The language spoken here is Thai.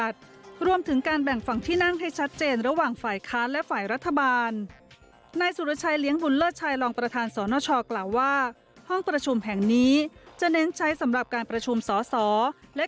ส่วนการประชุมอุทิศภาคคาดว่าจะใช้